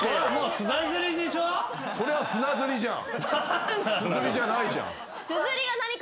スズリじゃないじゃん。